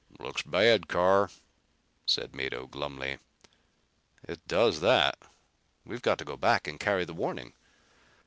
"Looks bad, Carr," said Mado glumly. "It does that. We've got to go back and carry the warning."